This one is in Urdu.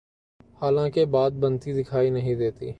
حالانکہ بات بنتی دکھائی نہیں دیتی۔